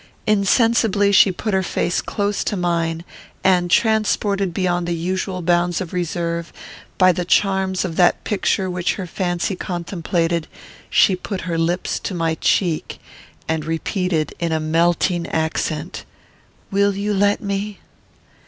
Insensibly she put her face close to mine, and, transported beyond the usual bounds of reserve by the charms of that picture which her fancy contemplated, she put her lips to my cheek, and repeated, in a melting accent, "Will you let me?"